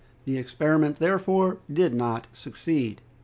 The experiment, therefore, did not succeed.